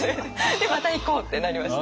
でまた行こうってなりました。